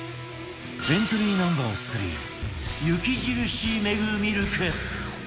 エントリー Ｎｏ．３ 雪印メグミルク